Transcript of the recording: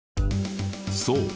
そう。